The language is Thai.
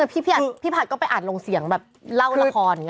แล้วคือพี่พัดก็ไปอ่านลงเสียงแบบเล่าละครอย่างนี้ค่ะ